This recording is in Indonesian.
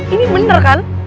ini bener kan